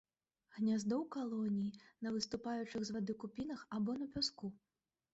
Гняздо ў калоніі, на выступаючых з вады купінах або на пяску.